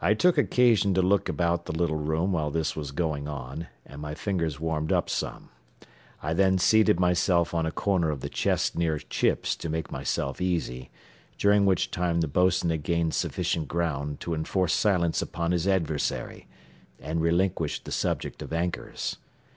I took occasion to look about the little room while this was going on and my fingers warmed up some. I then seated myself on a corner of the chest near Chips to make myself easy, during which time the bos'n had gained sufficient ground to enforce silence upon his adversary, and relinquish the subject of anchors.